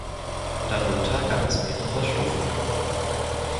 Darunter gab es mehrere Stufen.